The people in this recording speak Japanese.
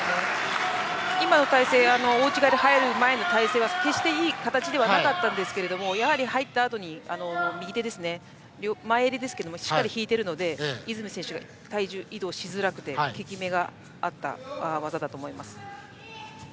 今の大内刈りに入る前の体勢は決していい形ではなかったんですけれどやはり入ったあとに右手で前襟ですがしっかり引いているので泉選手、体重移動しづらくて効き目があった技だと思います。